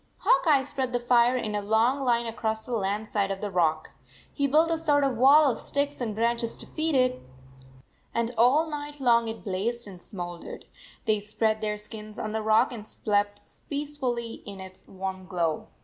Hawk Eye spread the fire in a long line across the land side of the rock. He built a sort of wall of sticks and branches to feed it, and all night long it blazed and smoul dered. They spread their skins on the rock and slept peacefully in its warm glow.